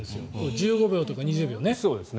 １５秒とか２０秒ね。